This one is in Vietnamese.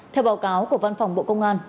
theo báo cáo của văn phòng bộ công an